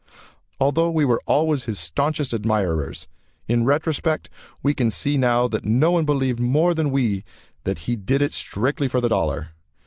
Although we were always his staunchest admirers, in retrospect we can see now that no one believed more than we that he did it strictly for the dollar.